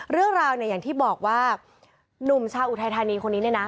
เรื่องราวเนี่ยอย่างที่บอกว่าหนุ่มชาวอุทัยธานีคนนี้เนี่ยนะ